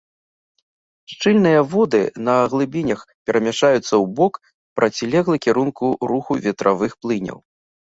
Шчыльныя воды на глыбінях перамяшчаюцца ў бок, процілеглы кірунку руху ветравых плыняў.